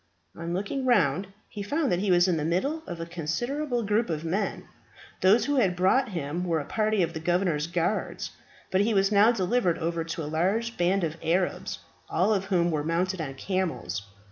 On looking round, he found that he was in the middle of a considerable group of men. Those who had brought him were a party of the governor's guards; but he was now delivered over to a large band of Arabs, all of whom were mounted on camels.